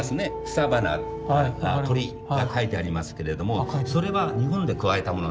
草花鳥が描いてありますけれどもそれは日本で加えたものなんです。